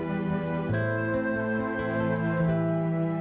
tidak tuan teddy